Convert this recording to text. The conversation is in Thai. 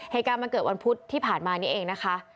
เหตุการณ์มันเกิดวันพุธที่ผ่านมานี้เองนะคะ